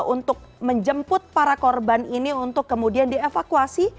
untuk menjemput para korban ini untuk kemudian dievakuasi